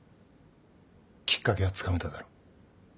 きっかけはつかめただろ。